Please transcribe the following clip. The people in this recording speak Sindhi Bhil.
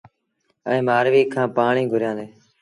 ائيٚݩ مآرويٚ کآݩ پآڻيٚ گھُريآݩدي۔